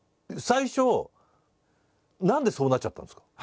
最初何でそうなっちゃったんですか？